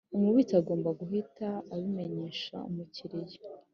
Umubitsi agomba guhita abimenyesha Umukiriya